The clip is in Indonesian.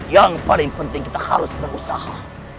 yang paling penting kita harus berusaha